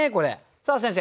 さあ先生